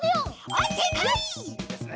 あっせいかい！